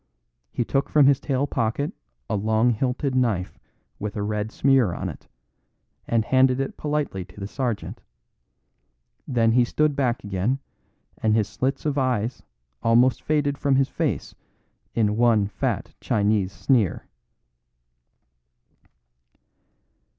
He took from his tail pocket a long horn hilted knife with a red smear on it, and handed it politely to the sergeant. Then he stood back again, and his slits of eyes almost faded from his face in one fat Chinese sneer.